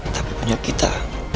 tapi punya kita